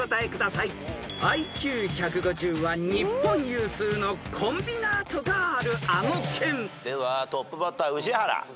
［ＩＱ１５０は日本有数のコンビナートがあるあの県］ではトップバッター宇治原。